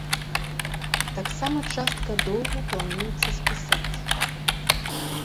Таксама частка доўгу плануецца спісаць.